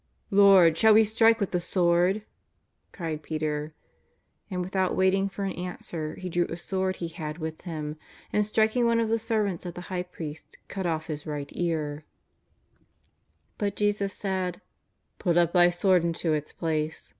" Lord, shall we strike witli the sword ?" cried Peter. And without waiting for an answer, he drew a sword he had with him, and striking one of the ser vants of the High Priest, cut off his right ear. JESUS OF NAZARETH. 339 But Jesus said :^' Put up thy sword into its place.